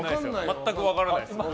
全く分からないです。